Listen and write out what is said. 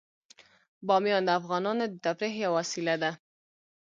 بامیان د افغانانو د تفریح یوه وسیله ده.